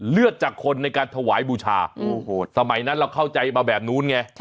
เลือกจากคนในการถวายบูชาโอ้โหสมัยนั้นเราเข้าใจมาแบบนู้นไง